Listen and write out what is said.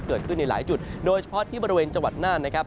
เกิดขึ้นในหลายจุดโดยเฉพาะที่บริเวณจังหวัดน่านนะครับ